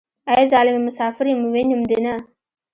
ای ظالمې مسافر يم وينم دې نه.